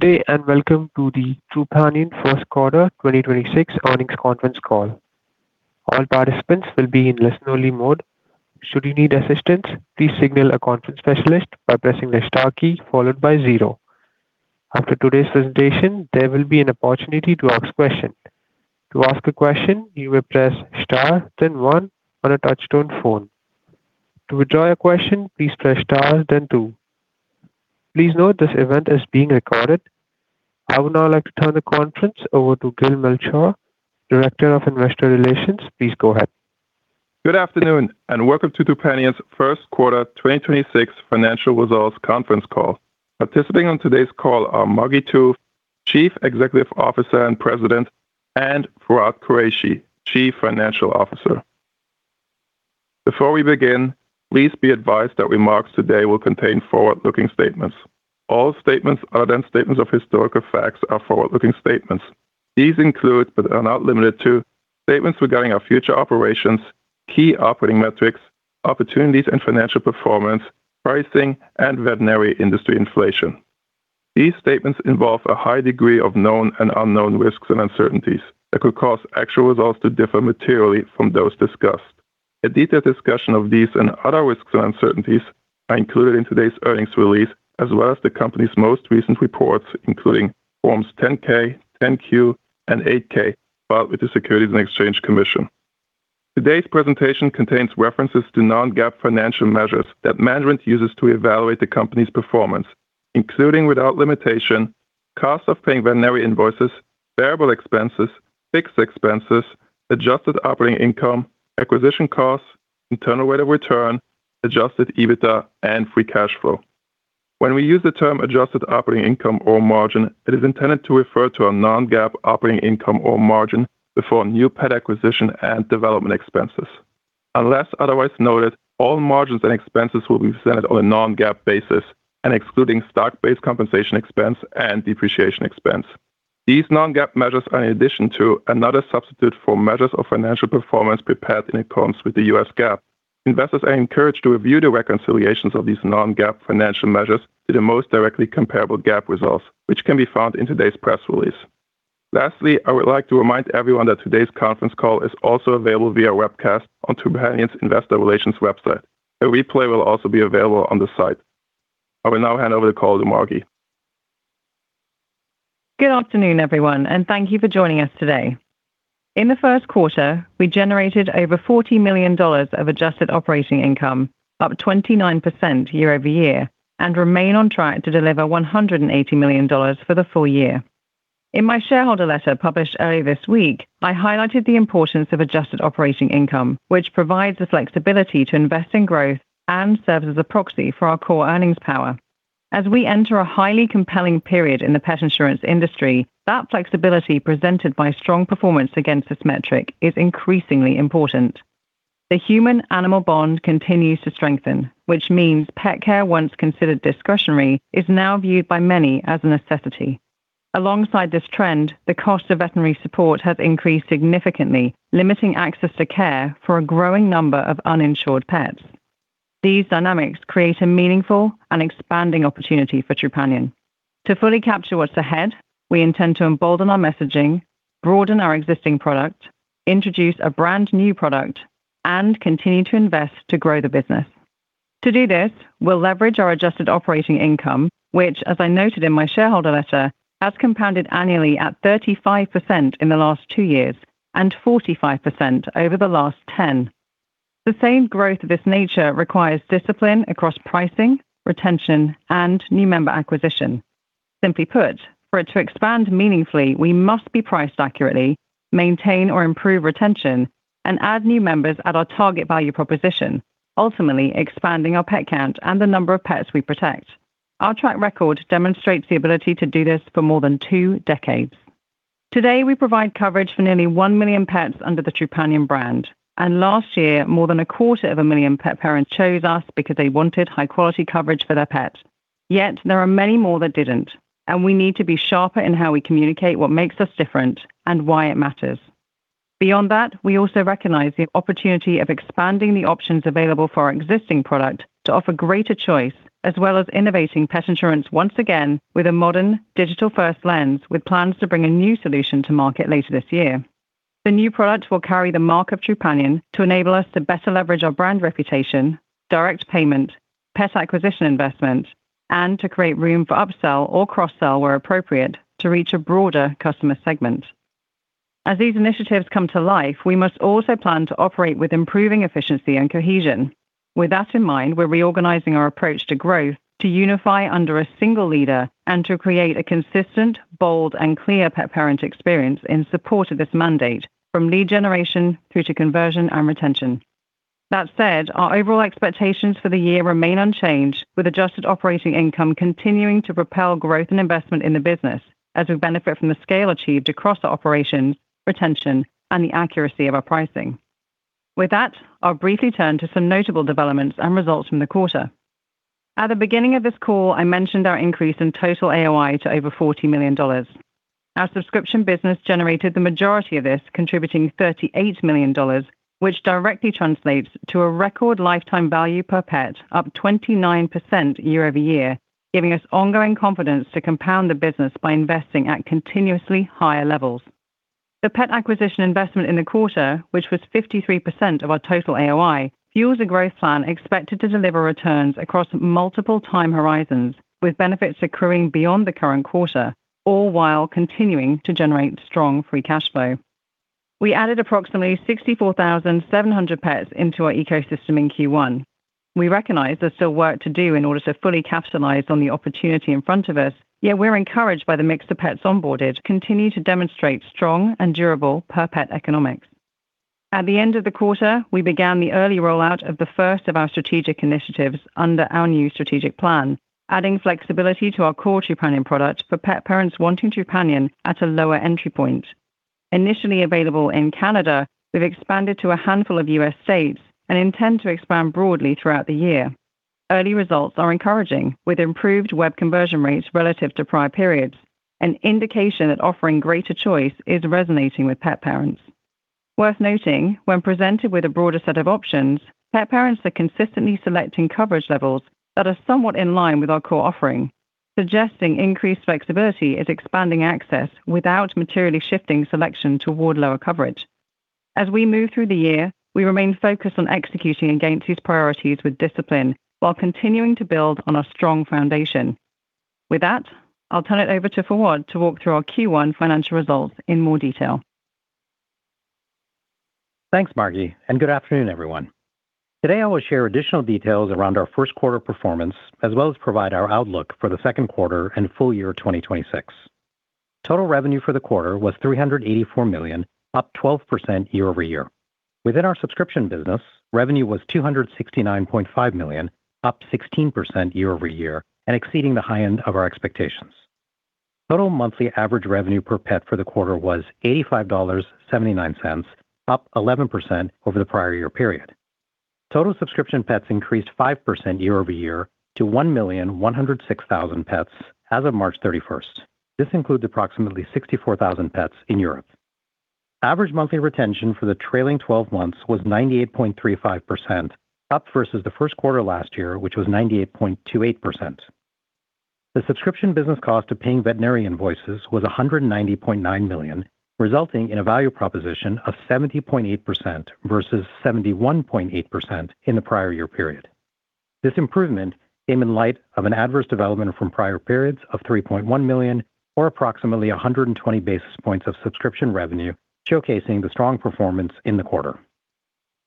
Good day, welcome to the Trupanion Q1 2026 Earnings Conference Call. All participants will be in listen-only mode. Should you need assistance, please signal a conference specialist by pressing the star key followed by 0. After today's presentation, there will be an opportunity to ask questions. To ask a question, you will press star then 1 on a touch-tone phone. To withdraw your question, please press star then 2. Please note this event is being recorded. I would now like to turn the conference over to Gil Melchior, Director of Investor Relations. Please go ahead. Good afternoon, and welcome to Trupanion's Q1 2026 financial results conference call. Participating on today's call are Margi Tooth, Chief Executive Officer and President, and Fawwad Qureshi, Chief Financial Officer. Before we begin, please be advised that remarks today will contain forward-looking statements. All statements other than statements of historical facts are forward-looking statements. These include, but are not limited to, statements regarding our future operations, key operating metrics, opportunities and financial performance, pricing, and veterinary industry inflation. These statements involve a high degree of known and unknown risks and uncertainties that could cause actual results to differ materially from those discussed. A detailed discussion of these and other risks and uncertainties are included in today's earnings release as well as the company's most recent reports, including Forms 10-K, 10-Q, and 8-K filed with the Securities and Exchange Commission. Today's presentation contains references to non-GAAP financial measures that management uses to evaluate the company's performance, including without limitation, cost of paying veterinary invoices, variable expenses, fixed expenses, adjusted operating income, acquisition costs, internal rate of return, adjusted EBITDA, and free cash flow. When we use the term adjusted operating income or margin, it is intended to refer to a non-GAAP operating income or margin before new pet acquisition and development expenses. Unless otherwise noted, all margins and expenses will be presented on a non-GAAP basis and excluding stock-based compensation expense and depreciation expense. Not a substitute for measures of financial performance prepared in accordance with the U.S. GAAP. Investors are encouraged to review the reconciliations of these non-GAAP financial measures to the most directly comparable GAAP results, which can be found in today's press release. Lastly, I would like to remind everyone that today's conference call is also available via webcast on Trupanion's Investor Relations website. A replay will also be available on the site. I will now hand over the call to Margi. Good afternoon, everyone, and thank you for joining us today. In the Q1, we generated over $40 million of adjusted operating income, up 29% year-over-year, and remain on track to deliver $180 million for the full year. In my shareholder letter published early this week, I highlighted the importance of adjusted operating income, which provides the flexibility to invest in growth and serves as a proxy for our core earnings power. As we enter a highly compelling period in the pet insurance industry, that flexibility presented by strong performance against this metric is increasingly important. The human-animal bond continues to strengthen, which means pet care once considered discretionary is now viewed by many as a necessity. Alongside this trend, the cost of veterinary support has increased significantly, limiting access to care for a growing number of uninsured pets. These dynamics create a meaningful and expanding opportunity for Trupanion. To fully capture what's ahead, we intend to embolden our messaging, broaden our existing product, introduce a brand-new product, and continue to invest to grow the business. To do this, we'll leverage our adjusted operating income, which as I noted in my shareholder letter, has compounded annually at 35% in the last 2 years and 45% over the last 10. The same growth of this nature requires discipline across pricing, retention, and new member acquisition. Simply put, for it to expand meaningfully, we must be priced accurately, maintain or improve retention, and add new members at our target value proposition, ultimately expanding our pet count and the number of pets we protect. Our track record demonstrates the ability to do this for more than 2 decades. Today, we provide coverage for nearly 1 million pets under the Trupanion brand, and last year, more than a quarter of a million pet parents chose us because they wanted high-quality coverage for their pet. There are many more that didn't, and we need to be sharper in how we communicate what makes us different and why it matters. Beyond that, we also recognize the opportunity of expanding the options available for our existing product to offer greater choice, as well as innovating pet insurance once again with a modern digital-first lens with plans to bring a new solution to market later this year. The new product will carry the mark of Trupanion to enable us to better leverage our brand reputation, direct payment, pet acquisition investment, and to create room for upsell or cross-sell where appropriate to reach a broader customer segment. As these initiatives come to life, we must also plan to operate with improving efficiency and cohesion. With that in mind, we're reorganizing our approach to growth to unify under a single leader and to create a consistent, bold, and clear pet parent experience in support of this mandate from lead generation through to conversion and retention. That said, our overall expectations for the year remain unchanged with adjusted operating income continuing to propel growth and investment in the business as we benefit from the scale achieved across our operations, retention, and the accuracy of our pricing. With that, I'll briefly turn to some notable developments and results from the quarter. At the beginning of this call, I mentioned our increase in total AOI to over $40 million. Our subscription business generated the majority of this, contributing $38 million, which directly translates to a record lifetime value per pet, up 29% year-over-year, giving us ongoing confidence to compound the business by investing at continuously higher levels. The pet acquisition investment in the quarter, which was 53% of our total AOI, fuels a growth plan expected to deliver returns across multiple time horizons, with benefits accruing beyond the current quarter, all while continuing to generate strong free cash flow. We added approximately 64,700 pets into our ecosystem in Q1. We recognize there's still work to do in order to fully capitalize on the opportunity in front of us, yet we're encouraged by the mix of pets onboarded continue to demonstrate strong and durable per pet economics. At the end of the quarter, we began the early rollout of the first of our strategic initiatives under our new strategic plan, adding flexibility to our core Trupanion product for pet parents wanting Trupanion at a lower entry point. Initially available in Canada, we've expanded to a handful of U.S. states and intend to expand broadly throughout the year. Early results are encouraging, with improved web conversion rates relative to prior periods, an indication that offering greater choice is resonating with pet parents. Worth noting, when presented with a broader set of options, pet parents are consistently selecting coverage levels that are somewhat in line with our core offering, suggesting increased flexibility is expanding access without materially shifting selection toward lower coverage. As we move through the year, we remain focused on executing against these priorities with discipline while continuing to build on a strong foundation. With that, I'll turn it over to Fawwad to walk through our Q1 financial results in more detail. Thanks, Margi, and good afternoon, everyone. Today, I will share additional details around our first quarter performance, as well as provide our outlook for the Q2 and full year 2026. Total revenue for the quarter was $384 million, up 12% year-over-year. Within our subscription business, revenue was $269.5 million, up 16% year-over-year and exceeding the high end of our expectations. Total monthly average revenue per pet for the quarter was $85.79, up 11% over the prior year period. Total subscription pets increased 5% year-over-year to 1,106,000 pets as of March 31st. This includes approximately 64,000 pets in Europe. Average monthly retention for the trailing 12 months was 98.35%, up versus the Q1 last year, which was 98.28%. The subscription business cost of paying veterinarian invoices was $190.9 million, resulting in a value proposition of 70.8% versus 71.8% in the prior year period. This improvement came in light of an adverse development from prior periods of $3.1 million, or approximately 120 basis points of subscription revenue, showcasing the strong performance in the quarter.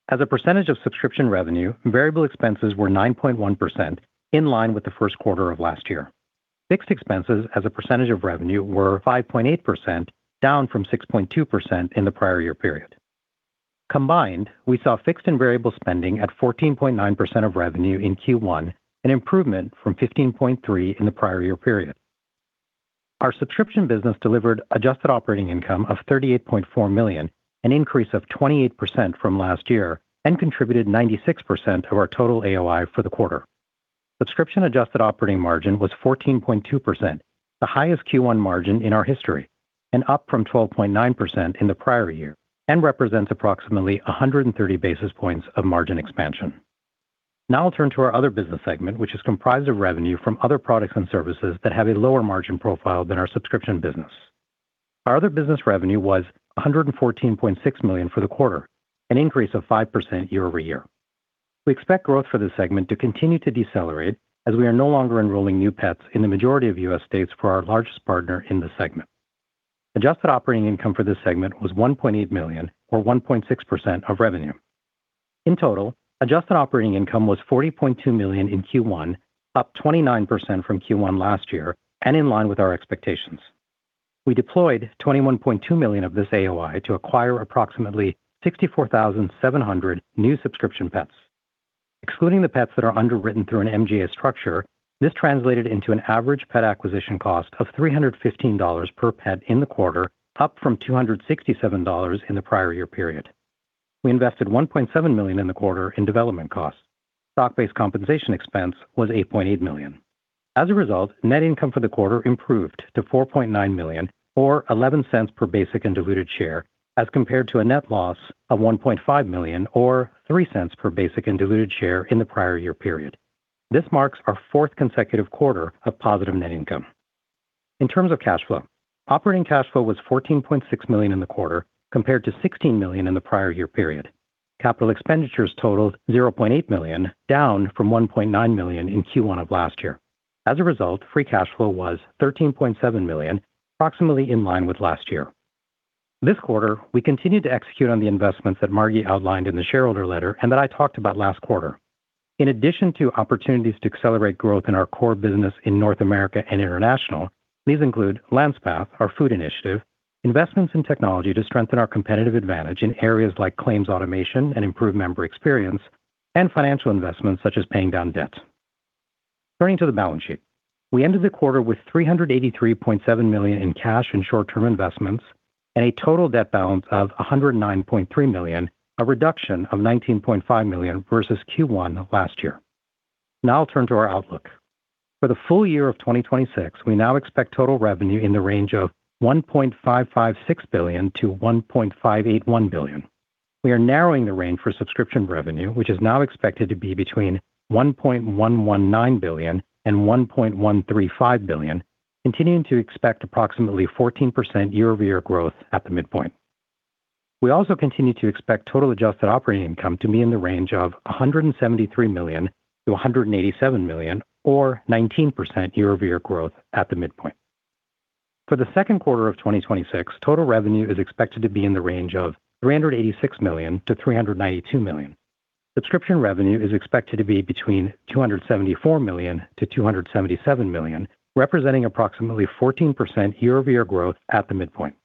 As a percentage of subscription revenue, variable expenses were 9.1% in line with the Q1 of last year. Fixed expenses as a percentage of revenue were 5.8%, down from 6.2% in the prior year period. Combined, we saw fixed and variable spending at 14.9% of revenue in Q1, an improvement from 15.3 in the prior year period. Our subscription business delivered adjusted operating income of $38.4 million, an increase of 28% from last year, and contributed 96% of our total AOI for the quarter. Subscription adjusted operating margin was 14.2%, the highest Q1 margin in our history and up from 12.9% in the prior year, and represents approximately 130 basis points of margin expansion. I'll turn to our other business segment, which is comprised of revenue from other products and services that have a lower margin profile than our subscription business. Our other business revenue was $114.6 million for the quarter, an increase of 5% year-over-year. We expect growth for this segment to continue to decelerate as we are no longer enrolling new pets in the majority of U.S. states for our largest partner in the segment. Adjusted operating income for this segment was $1.8 million or 1.6% of revenue. In total, Adjusted operating income was $40.2 million in Q1, up 29% from Q1 last year and in line with our expectations. We deployed $21.2 million of this AOI to acquire approximately 64,700 new subscription pets. Excluding the pets that are underwritten through an MGA structure, this translated into an average pet acquisition cost of $315 per pet in the quarter, up from $267 in the prior year period. We invested $1.7 million in the quarter in development costs. Stock-based compensation expense was $8.8 million. As a result, net income for the quarter improved to $4.9 million or $0.11 per basic and diluted share as compared to a net loss of $1.5 million or $0.03 per basic and diluted share in the prior year period. This marks our fourth consecutive quarter of positive net income. In terms of cash flow, operating cash flow was $14.6 million in the quarter compared to $16 million in the prior year period. Capital expenditures totaled $0.8 million, down from $1.9 million in Q1 of last year. As a result, free cash flow was $13.7 million, approximately in line with last year. This quarter, we continued to execute on the investments that Margi outlined in the shareholder letter and that I talked about last quarter. In addition to opportunities to accelerate growth in our core business in North America and international, these include Landspath, our food initiative, investments in technology to strengthen our competitive advantage in areas like claims automation and improved member experience, and financial investments such as paying down debt. Turning to the balance sheet, we ended the quarter with $383.7 million in cash and short-term investments and a total debt balance of $109.3 million, a reduction of $19.5 million versus Q1 last year. I'll turn to our outlook. For the full year of 2026, we now expect total revenue in the range of $1.556 billion to $1.581 billion. We are narrowing the range for subscription revenue, which is now expected to be between $1.119 billion and $1.135 billion, continuing to expect approximately 14% year-over-year growth at the midpoint. We also continue to expect total adjusted operating income to be in the range of $173 million to $187 million or 19% year-over-year growth at the midpoint. For the Q2 of 2026, total revenue is expected to be in the range of $386 million to $392 million. Subscription revenue is expected to be between $274 million to $277 million, representing approximately 14% year-over-year growth at the midpoint.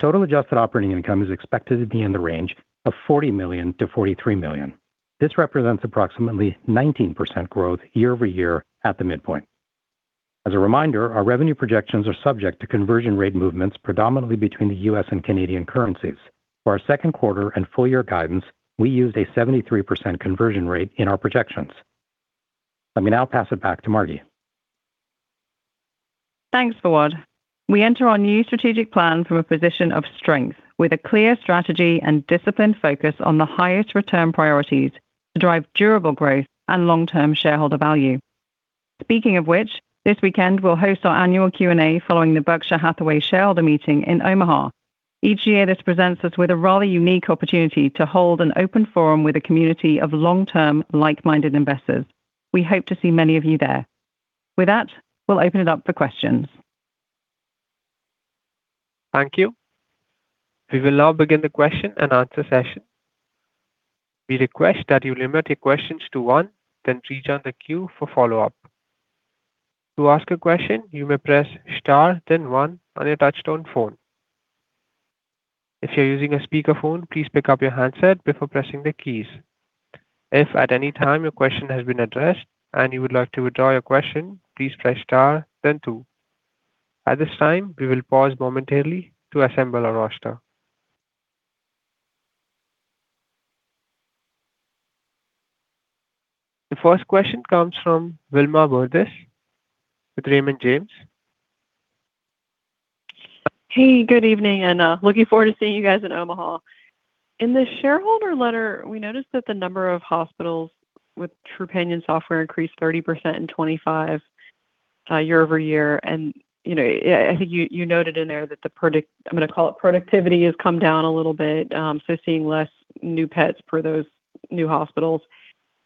Total adjusted operating income is expected to be in the range of $40 million to $43 million. This represents approximately 19% growth year-over-year at the midpoint. As a reminder, our revenue projections are subject to conversion rate movements predominantly between the U.S. and Canadian currencies. For our second quarter and full year guidance, we used a 73% conversion rate in our projections. Let me now pass it back to Margi. Thanks, Fawwad. We enter our new strategic plan from a position of strength with a clear strategy and disciplined focus on the highest return priorities to drive durable growth and long-term shareholder value. Speaking of which, this weekend we'll host our annual Q&A following the Berkshire Hathaway shareholder meeting in Omaha. Each year this presents us with a rather unique opportunity to hold an open forum with a community of long-term like-minded investors. We hope to see many of you there. With that, we'll open it up for questions. Thank you. We will now begin the question and answer session. We request that you limit your questions to 1, then return the queue for follow-up. To ask a question, you may press star then 1 on your touchtone phone. If you're using a speakerphone, please pick up your handset before pressing the keys. If at any time your question has been addressed and you would like to withdraw your question, please press star then 2. At this time, we will pause momentarily to assemble our roster. The first question comes from Wilma Burdis with Raymond James. Hey, good evening, looking forward to seeing you guys in Omaha. In the shareholder letter, we noticed that the number of hospitals with Trupanion software increased 30% in 2025 year-over-year. You know, I think you noted in there that I'm gonna call it productivity has come down a little bit, so seeing less new pets for those new hospitals.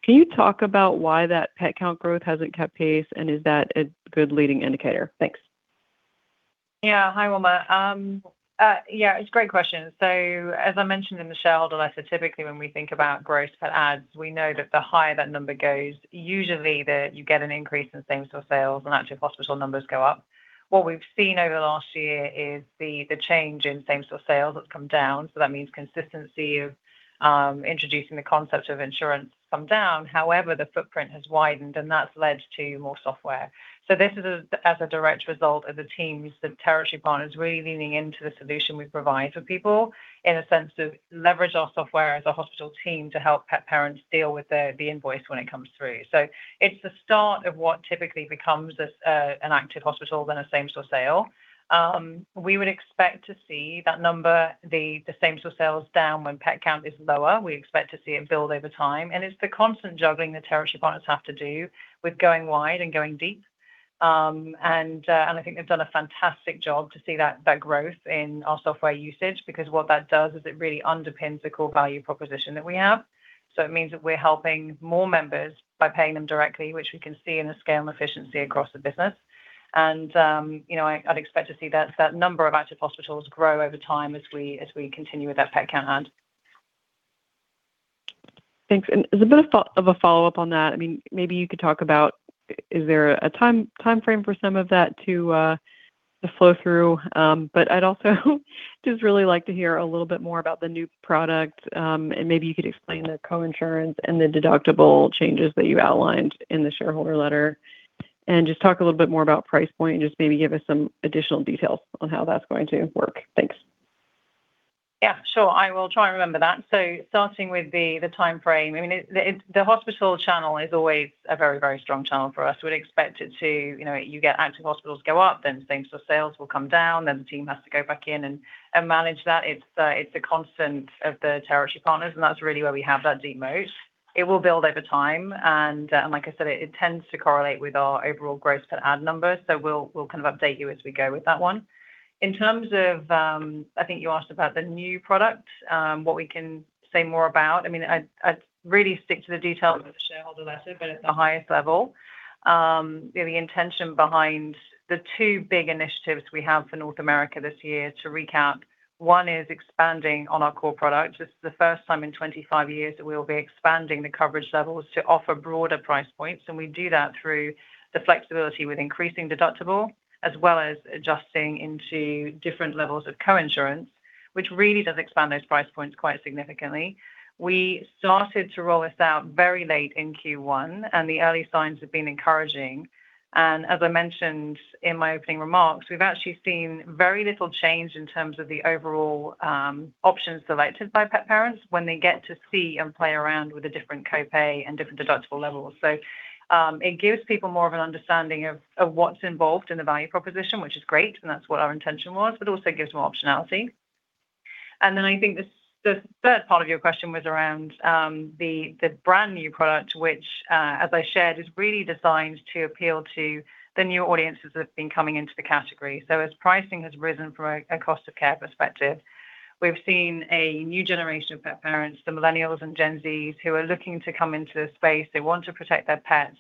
Can you talk about why that pet count growth hasn't kept pace, and is that a good leading indicator? Thanks. Yeah. Hi, Wilma. Yeah, it's a great question. As I mentioned in the shareholder letter, typically when we think about gross pet adds, we know that the higher that number goes, usually the you get an increase in same-store sales and active hospital numbers go up. What we've seen over the last year is the change in same-store sales has come down. That means consistency of introducing the concept of insurance come down. The footprint has widened, and that's led to more software. This is as a direct result of the teams, the territory partners really leaning into the solution we provide for people in a sense of leverage our software as a hospital team to help pet parents deal with the invoice when it comes through. It's the start of what typically becomes this, an active hospital then a same-store sale. We would expect to see that number, the same-store sales down when pet count is lower. We expect to see it build over time, and it's the constant juggling the territory partners have to do with going wide and going deep. I think they've done a fantastic job to see that growth in our software usage, because what that does is it really underpins the core value proposition that we have. It means that we're helping more members by paying them directly, which we can see in the scale and efficiency across the business. You know, I'd expect to see that number of active hospitals grow over time as we continue with that pet count add. Thanks. As a bit of a follow-up on that, I mean, maybe you could talk about is there a time, timeframe for some of that to flow through? I'd also just really like to hear a little bit more about the new product. Maybe you could explain the coinsurance and the deductible changes that you outlined in the shareholder letter and just talk a little bit more about price point and just maybe give us some additional details on how that's going to work. Thanks. Yeah, sure. I will try and remember that. Starting with the timeframe, I mean, the hospital channel is always a very, very strong channel for us. We'd expect it to. You know, you get active hospitals go up, then same-store sales will come down, then the team has to go back in and manage that. It's a constant of the territory partners, and that's really where we have that deep moat. It will build over time, and like I said, it tends to correlate with our overall gross pet add numbers, so we'll kind of update you as we go with that one. In terms of, I think you asked about the new product, what we can say more about, I mean, I'd really stick to the details of the shareholder letter, but at the highest level, you know, the intention behind the two big initiatives we have for North America this year to recap, one is expanding on our core product. This is the first time in 25 years that we will be expanding the coverage levels to offer broader price points, and we do that through the flexibility with increasing deductible as well as adjusting into different levels of coinsurance, which really does expand those price points quite significantly. We started to roll this out very late in Q1. The early signs have been encouraging. As I mentioned in my opening remarks, we've actually seen very little change in terms of the overall options selected by pet parents when they get to see and play around with the different copay and different deductible levels. It gives people more of an understanding of what's involved in the value proposition, which is great, and that's what our intention was, but also gives more optionality. Then I think the third part of your question was around the brand new product, which as I shared, is really designed to appeal to the new audiences that have been coming into the category. As pricing has risen from a cost of care perspective, we've seen a new generation of pet parents, the millennials and Gen Zs, who are looking to come into the space. They want to protect their pets.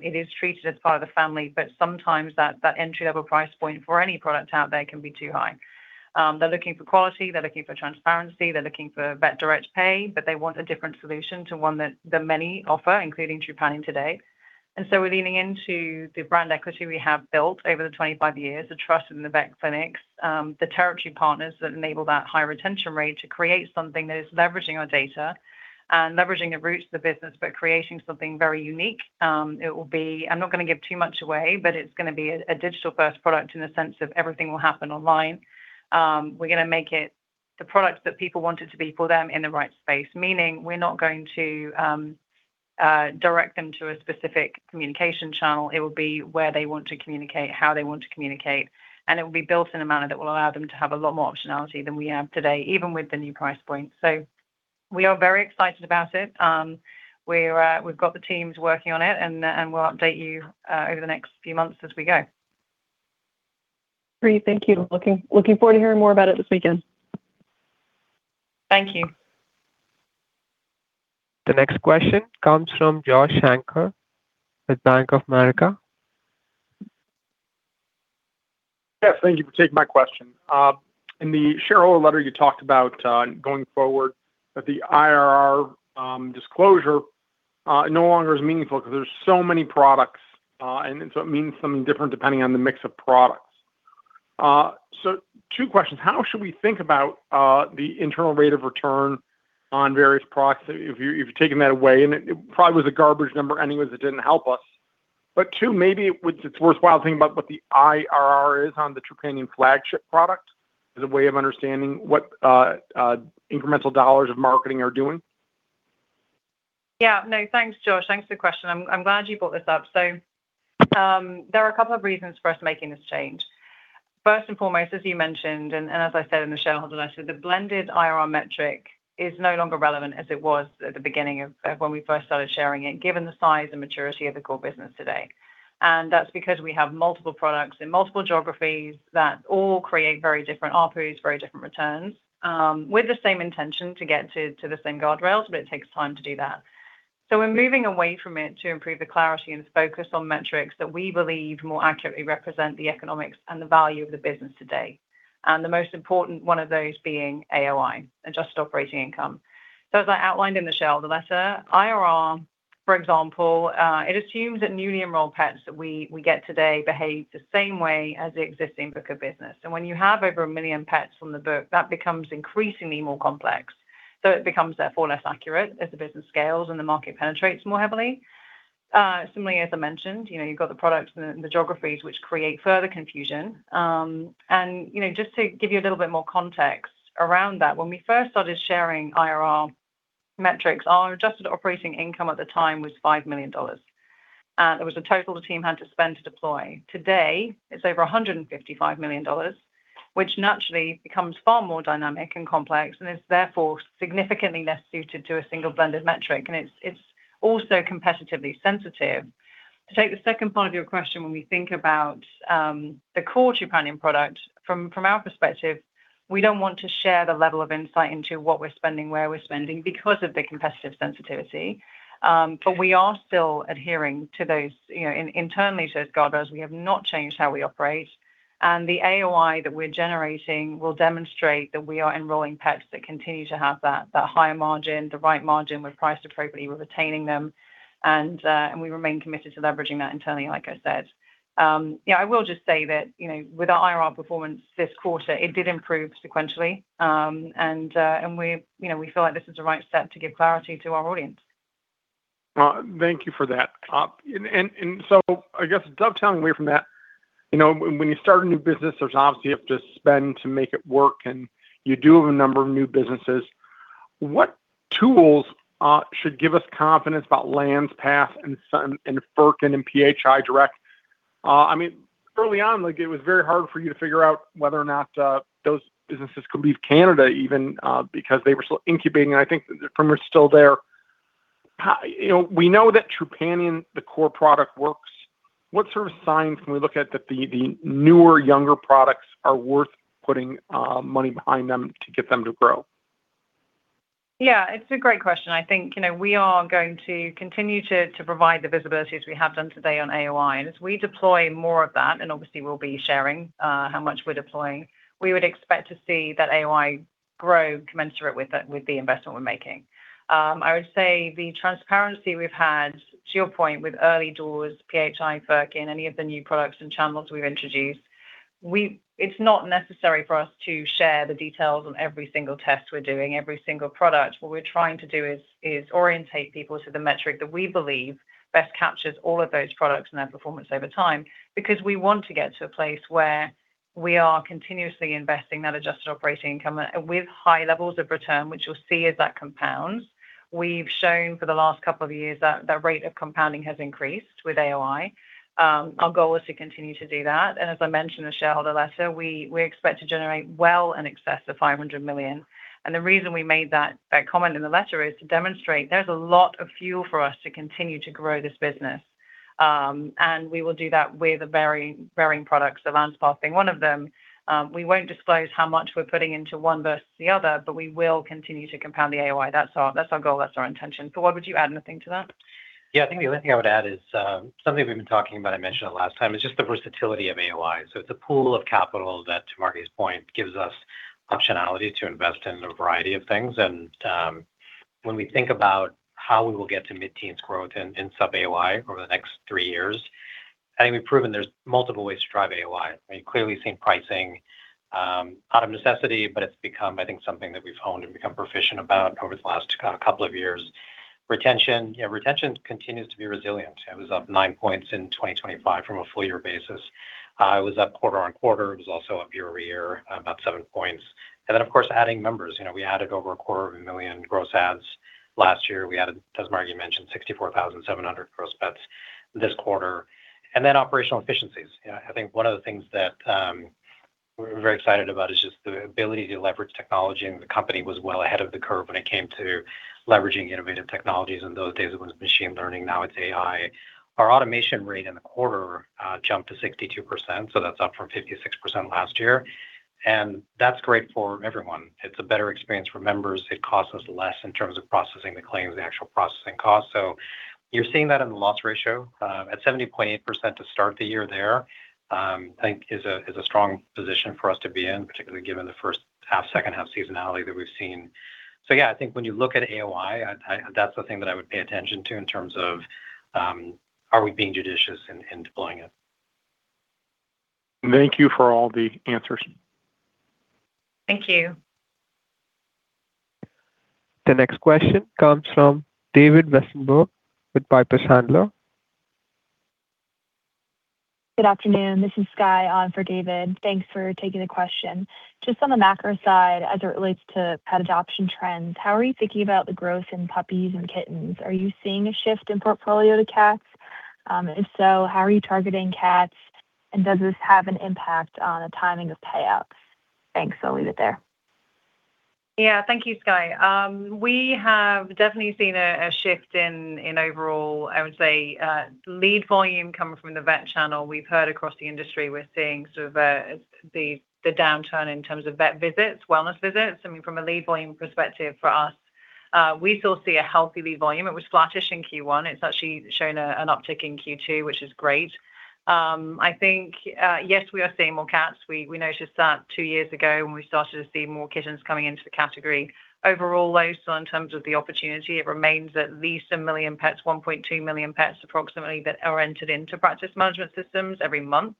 It is treated as part of the family, but sometimes that entry-level price point for any product out there can be too high. They're looking for quality, they're looking for transparency, they're looking for vet direct pay, but they want a different solution to one that the many offer, including Trupanion today. We're leaning into the brand equity we have built over the 25 years, the trust in the vet clinics, the territory partners that enable that high retention rate to create something that is leveraging our data and leveraging the roots of the business, but creating something very unique. I'm not gonna give too much away, but it's gonna be a digital-first product in the sense of everything will happen online. We're gonna make it the product that people want it to be for them in the right space, meaning we're not going to direct them to a specific communication channel. It will be where they want to communicate, how they want to communicate, and it will be built in a manner that will allow them to have a lot more optionality than we have today, even with the new price point. We are very excited about it. We've got the teams working on it and we'll update you over the next few months as we go. Great. Thank you. Looking forward to hearing more about it this weekend. Thank you. The next question comes from Joshua Shanker at Bank of America. Yes, thank you for taking my question. In the shareholder letter you talked about going forward that the IRR disclosure no longer is meaningful 'cause there's so many products, it means something different depending on the mix of products. Two questions. How should we think about the internal rate of return on various products if you're taking that away? It probably was a garbage number anyways that didn't help us. Two, maybe it's worthwhile thinking about what the IRR is on the Trupanion flagship product as a way of understanding what incremental dollars of marketing are doing. Yeah. No, thanks, Josh. Thanks for the question. I'm glad you brought this up. There are a couple of reasons for us making this change. First and foremost, as you mentioned, and as I said in the shareholder letter, the blended IRR metric is no longer relevant as it was at the beginning of when we first started sharing it, given the size and maturity of the core business today. That's because we have multiple products in multiple geographies that all create very different ARPU, very different returns, with the same intention to get to the same guardrails, but it takes time to do that. We're moving away from it to improve the clarity and focus on metrics that we believe more accurately represent the economics and the value of the business today. The most important one of those being AOI, adjusted operating income. As I outlined in the shareholder letter, IRR, for example, it assumes that newly enrolled pets that we get today behave the same way as the existing book of business. When you have over 1 million pets from the book, that becomes increasingly more complex. It becomes therefore less accurate as the business scales and the market penetrates more heavily. Similarly, as I mentioned, you know, you've got the products and the geographies which create further confusion. You know, just to give you a little bit more context around that, when we first started sharing IRR metrics, our adjusted operating income at the time was $5 million. It was the total the team had to spend to deploy. Today, it's over $155 million, which naturally becomes far more dynamic and complex and is therefore significantly less suited to a single blended metric. It's also competitively sensitive. To take the second part of your question, when we think about the core Trupanion product, from our perspective, we don't want to share the level of insight into what we're spending, where we're spending because of the competitive sensitivity. We are still adhering to those, you know, internally to those guardrails. We have not changed how we operate. The AOI that we're generating will demonstrate that we are enrolling pets that continue to have that higher margin, the right margin. We've priced appropriately. We're retaining them. We remain committed to leveraging that internally, like I said. Yeah, I will just say that, you know, with our IRR performance this quarter, it did improve sequentially. We, you know, we feel like this is the right step to give clarity to our audience. Well, thank you for that. I guess dovetailing away from that, you know, when you start a new business, there's obviously you have to spend to make it work, and you do have a number of new businesses. What tools should give us confidence about Landspath and Furkin and PHI Direct? I mean, early on, like, it was very hard for you to figure out whether or not those businesses could leave Canada even, because they were still incubating, and I think from we're still there. You know, we know that Trupanion, the core product, works. What sort of signs can we look at that the newer, younger products are worth putting money behind them to get them to grow? Yeah, it's a great question. I think, you know, we are going to continue to provide the visibility as we have done today on AOI. As we deploy more of that, obviously we'll be sharing how much we're deploying, we would expect to see that AOI grow commensurate with the investment we're making. I would say the transparency we've had, to your point, with Early Doors, PHI, Furkin, any of the new products and channels we've introduced, it's not necessary for us to share the details on every single test we're doing, every single product. What we're trying to do is orientate people to the metric that we believe best captures all of those products and their performance over time, because we want to get to a place where we are continuously investing that adjusted operating income with high levels of return, which you'll see as that compounds. We've shown for the last couple of years that that rate of compounding has increased with AOI. Our goal is to continue to do that. As I mentioned in the shareholder letter, we expect to generate well in excess of $500 million. The reason we made that comment in the letter is to demonstrate there's a lot of fuel for us to continue to grow this business. We will do that with varying products, the Landspath one of them. We won't disclose how much we're putting into one versus the other, we will continue to compound the AOI. That's our, that's our goal, that's our intention. Fawwad, would you add anything to that? I think the only thing I would add is something we've been talking about, I mentioned it last time, it's just the versatility of AOI. It's a pool of capital that, to Margi's point, gives us optionality to invest in a variety of things. When we think about how we will get to mid-teens growth in sub AOI over the next three years, I think we've proven there's multiple ways to drive AOI. I mean, clearly seen pricing, out of necessity, but it's become, I think, something that we've honed and become proficient about over the last couple of years. Retention. Retention continues to be resilient. It was up 9 points in 2025 from a full year basis. It was up quarter-over-quarter. It was also up year-over-year, about 7 points. Of course, adding members. You know, we added over a quarter of a million gross adds last year. We added, as Margi mentioned, 64,700 gross pets this quarter. Operational efficiencies. You know, I think one of the things that we're very excited about is just the ability to leverage technology, the company was well ahead of the curve when it came to leveraging innovative technologies. In those days it was machine learning, now it's AI. Our automation rate in the quarter jumped to 62%, that's up from 56% last year. That's great for everyone. It's a better experience for members. It costs us less in terms of processing the claims, the actual processing costs. You're seeing that in the loss ratio. At 70.8% to start the year there, I think is a strong position for us to be in, particularly given the H1, H2 seasonality that we've seen. I think when you look at AOI, that's the thing that I would pay attention to in terms of, are we being judicious in deploying it. Thank you for all the answers. Thank you. The next question comes from David Westenberg with Piper Sandler. Good afternoon. This is Skye on for David. Thanks for taking the question. Just on the macro side, as it relates to pet adoption trends, how are you thinking about the growth in puppies and kittens? Are you seeing a shift in portfolio to cats? If so, how are you targeting cats, and does this have an impact on the timing of payouts? Thanks. I'll leave it there. Yeah. Thank you, Skye. We have definitely seen a shift in overall, I would say, lead volume coming from the vet channel. We've heard across the industry we're seeing sort of the downturn in terms of vet visits, wellness visits. I mean, from a lead volume perspective for us, we still see a healthy lead volume. It was flattish in Q1. It's actually shown an uptick in Q2, which is great. I think, yes, we are seeing more cats. We noticed that 2 years ago when we started to see more kittens coming into the category. Overall, though, so in terms of the opportunity, it remains at least 1 million pets, 1.2 million pets approximately, that are entered into practice management systems every month.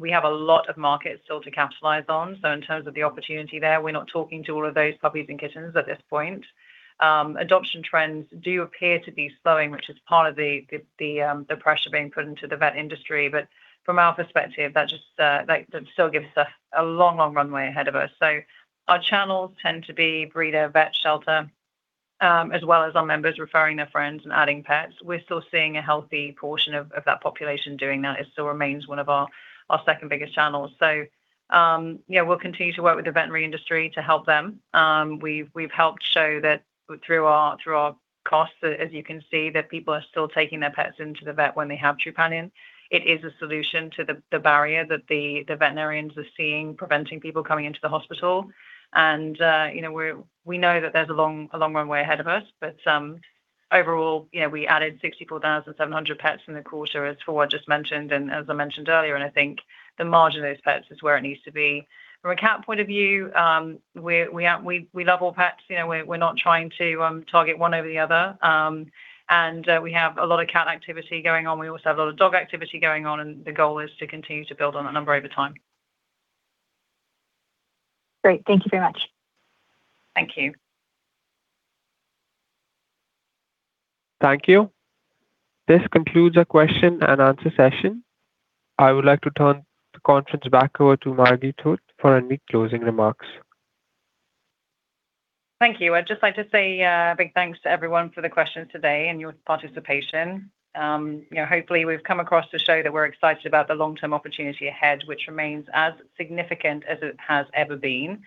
We have a lot of markets still to capitalize on. In terms of the opportunity there, we're not talking to all of those puppies and kittens at this point. Adoption trends do appear to be slowing, which is part of the pressure being put into the vet industry. From our perspective, that just like still gives us a long runway ahead of us. Our channels tend to be breeder, vet, shelter, as well as our members referring their friends and adding pets. We're still seeing a healthy portion of that population doing that. It still remains one of our second biggest channels. Yeah, we'll continue to work with the veterinary industry to help them. We've helped show that through our, through our costs, as you can see, that people are still taking their pets into the vet when they have Trupanion. It is a solution to the barrier that the veterinarians are seeing preventing people coming into the hospital. You know, we know that there's a long, a long runway ahead of us. Overall, you know, we added 64,700 pets in the quarter, as Fawwad just mentioned, as I mentioned earlier, I think the margin of those pets is where it needs to be. From a cat point of view, we love all pets. You know, we're not trying to target one over the other. We have a lot of cat activity going on. We also have a lot of dog activity going on, and the goal is to continue to build on that number over time. Great. Thank you very much. Thank you. Thank you. This concludes our question and answer session. I would like to turn the conference back over to Margi Tooth for any closing remarks. Thank you. I'd just like to say, a big thanks to everyone for the questions today and your participation. You know, hopefully, we've come across to show that we're excited about the long-term opportunity ahead, which remains as significant as it has ever been,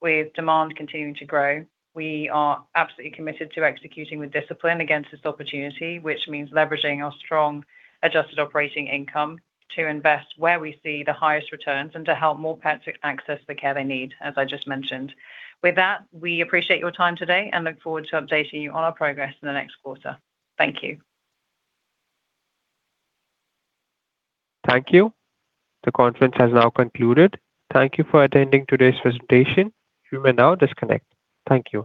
with demand continuing to grow. We are absolutely committed to executing with discipline against this opportunity, which means leveraging our strong adjusted operating income to invest where we see the highest returns and to help more pets access the care they need, as I just mentioned. With that, we appreciate your time today and look forward to updating you on our progress in the next quarter. Thank you. Thank you. The conference has now concluded. Thank you for attending today's presentation. You may now disconnect. Thank you.